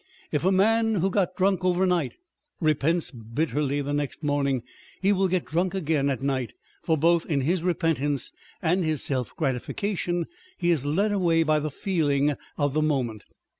If a man who got drunk over night, repents bitterly next morning, he will get drunk again at night ; for both in his repentance and his self gratification he is led away by the feeling of the moment.